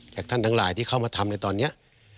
จากท่านทั้งหลายที่เข้ามาทำในตอนนี้